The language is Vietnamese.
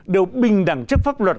đều bình đẳng chức pháp luật